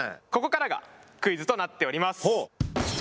ここからがクイズとなっております。